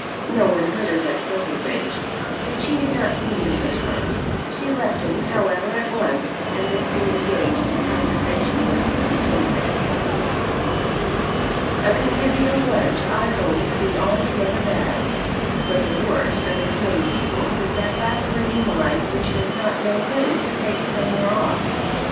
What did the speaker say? No one heard her but Silverbridge, yet she did not seem to whisper. She left him, however, at once, and was soon engaged in conversation with Sir Timothy. A convivial lunch I hold to be altogether bad, but the worst of its many evils is that vacillating mind which does not know when to take its owner off.